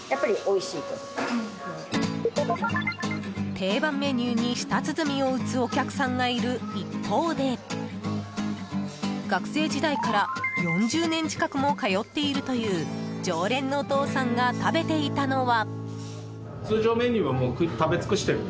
定番メニューに舌鼓を打つお客さんがいる一方で学生時代から４０年近くも通っているという常連のお父さんが食べていたのは。